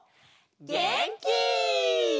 げんき！